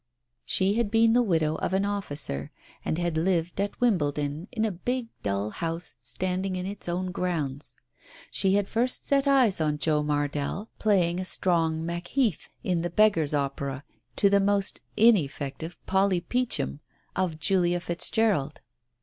She had been the widow of an officer, and had lived at Wimbledon in a big dull house standing in its own grounds. She had first set eyes on Joe Mardell playing a strong " Macheath " in The Beggar's Opera, to the most ineffective "Polly Peachum" of Julia Fitzgerald.